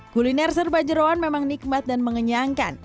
kuliner serba jerawan memang nikmat dan mengenyangkan